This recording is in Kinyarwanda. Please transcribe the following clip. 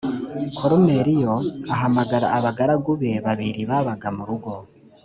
koruneliyo ahamagara abagaragu be babiri babaga mu rugo